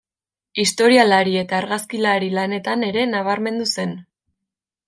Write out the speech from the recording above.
Historialari eta argazkilari lanetan ere nabarmendu zen.